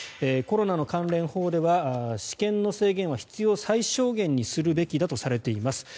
コロナの関連法では私権の制限は必要最小限にするべきだとされています。